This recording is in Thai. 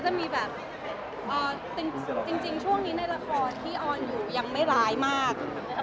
จะมีแบบจริงช่วงนี้ในละครที่ออนอยู่ยังไม่ร้ายมาก